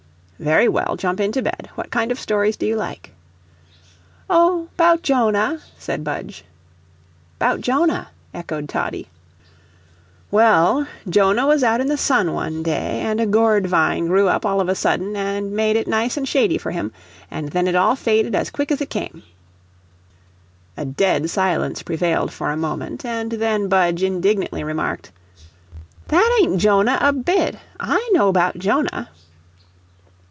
"Very well, jump into bed what kind of stories do you like?" "Oh, 'bout Jonah," said Budge. "'Bout Jonah," echoed Toddie. "Well, Jonah was out in the sun one day and a gourd vine grew up all of a sudden, and made it nice and shady for him, and then it all faded as quick as it came." A dead silence prevailed for a moment, and then Budge indignantly remarked: "That ain't Jonah a bit I know 'bout Jonah."